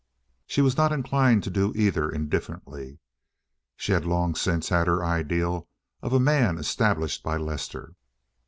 She was not inclined to do either indifferently. She had long since had her ideal of a man established by Lester.